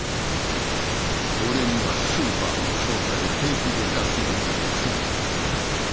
俺にはスーパーの総菜を平気で出すようになったくせに。